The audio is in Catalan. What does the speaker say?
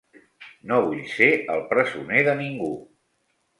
No vull ser el presoner de ningú.